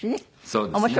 そうですね。